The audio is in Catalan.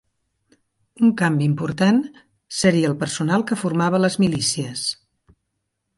Un canvi important seria el personal que formava les milícies.